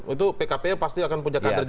itu pkp nya pasti akan punya kandar juga